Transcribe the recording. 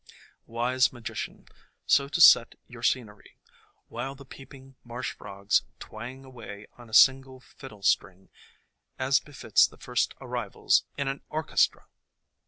Wise Magician, so to set your scenery, while the peep ing marsh frogs twang away on a single fiddle string, as befits the first arrivals in an orchestra!